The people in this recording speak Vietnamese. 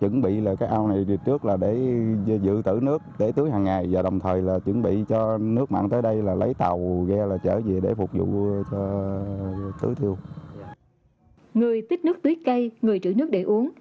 người tích nước tưới cây người trữ nước để uống